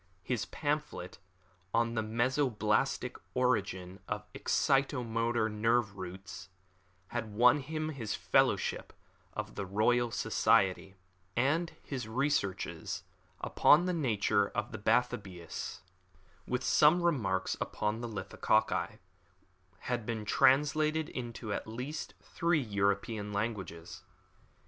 His pamphlet, On the Mesoblastic Origin of Excitomotor Nerve Roots, had won him his fellowship of the Royal Society; and his researches, Upon the Nature of Bathybius, with some Remarks upon Lithococci, had been translated into at least three European languages.